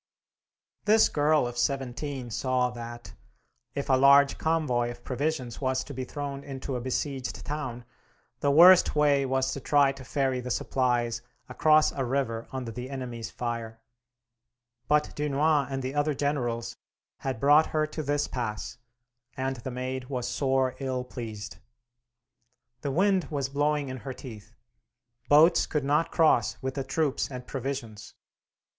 This girl of seventeen saw that, if a large convoy of provisions was to be thrown into a besieged town, the worst way was to try to ferry the supplies across a river under the enemy's fire. But Dunois and the other generals had brought her to this pass, and the Maid was sore ill pleased. The wind was blowing in her teeth; boats could not cross with the troops and provisions.